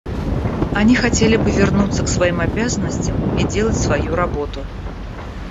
Они хотели бы вернуться к своим обязанностям и делать свою работу.